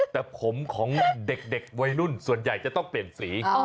แต่ผมของเด็กวัยรุ่นส่วนใหญ่จะต้องเปลี่ยนสี